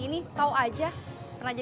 akhir alan ya